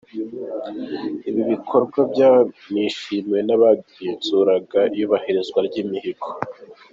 Ibi bikorwa byanishimiwe n’abagenzuraga iyubahirizwa ry’imihigo.